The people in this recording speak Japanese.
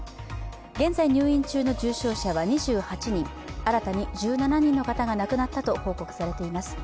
現在入院中の重症者は２８人、新たに１７人の方が亡くなったと報告されています。